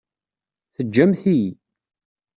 Teǧǧamt-iyi.